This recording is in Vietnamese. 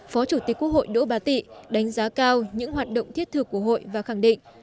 phó chủ tịch quốc hội đỗ bá tị đánh giá cao những hoạt động thiết thực của hội và khẳng định